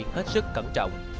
hết sức cẩn trọng